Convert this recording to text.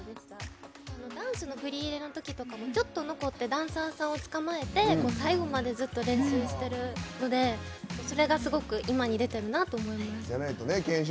ダンスの振り入れのときとかもちょっと残ってダンサーさんを捕まえて最後までずっと練習してるのでそれがすごく今に出てるなと思います。